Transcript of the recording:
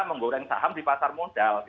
menggoreng saham di pasar modal